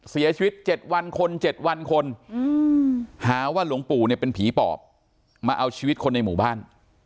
เสียชีวิต๗วันคน๗วันคนหาว่าหลวงปู่เนี่ยเป็นผีปอบมาเอาชีวิตคนในหมู่บ้าน